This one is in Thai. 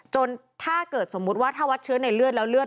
ถ้าเกิดสมมุติว่าถ้าวัดเชื้อในเลือดแล้วเลือ